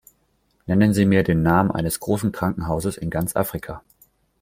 Nennen Sie mir den Namen eines großen Krankenhauses in ganz Afrika.